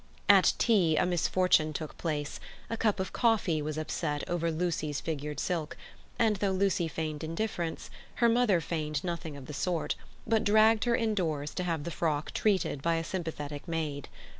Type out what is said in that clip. At tea a misfortune took place: a cup of coffee was upset over Lucy's figured silk, and though Lucy feigned indifference, her mother feigned nothing of the sort but dragged her indoors to have the frock treated by a sympathetic maid.